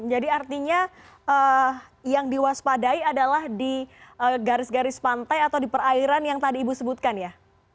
jadi artinya yang diwaspadai adalah di garis garis pantai atau di perairan yang tadi ibu sebutkan ya